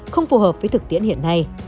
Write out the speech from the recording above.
không phù hợp với thực tiễn hiện nay